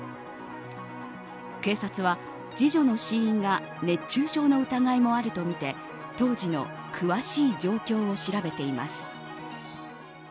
警察は次女の死因が熱中症の疑いもあるとみて当時の詳しい状況を調べています。